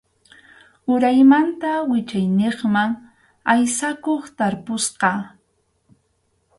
Uraymanta wichayniqman aysakuq tarpusqa.